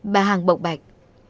bà hằng bộng bạch